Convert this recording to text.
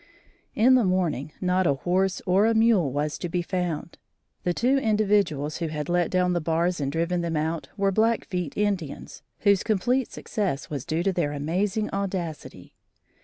In the morning not a horse or a mule was to be found. The two individuals who had let down the bars and driven them out, were Blackfeet Indians, whose complete success was due to their amazing audacity.